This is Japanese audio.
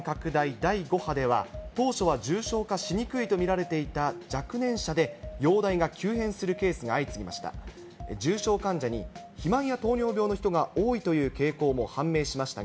第５波では、当初は重症化しにくいと見られていた若年者で容体が急変するケースが相次ぎました。